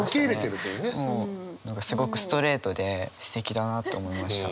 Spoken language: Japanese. もう何かすごくストレートですてきだなと思いました。